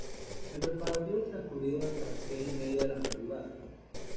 En preparativos transcurridos hasta las tres y media de la madrugada.